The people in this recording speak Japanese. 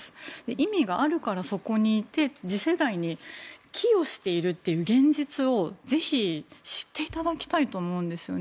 意味があるからそこにいて次世代に寄与しているという現実をぜひ知っていただきたいと思うんですよね。